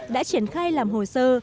đã triển khai làm hồ sơ